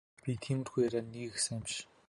Би тиймэрхүү ярианд нэг их сайн биш.